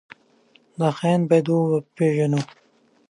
دا خاين بايد وپېژنو.